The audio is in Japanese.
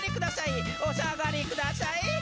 「お下がりくださいー」